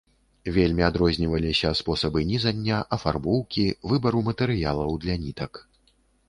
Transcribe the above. Вельмі адрозніваліся спосабы нізання, афарбоўкі, выбару матэрыялаў для нітак.